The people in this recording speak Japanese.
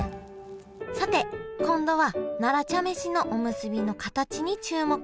さて今度は奈良茶飯のおむすびの形に注目。